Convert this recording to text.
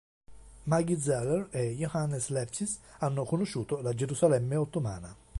Maggie Zeller e Johannes Lepsius hanno conosciuto la Gerusalemme Ottomana.